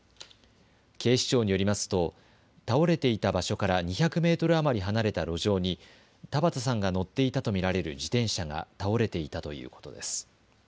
警視庁によりますと倒れていた場所から２００メートル余り離れた路上に田畑さんが乗っていたと見られる自転車が倒れていたということです。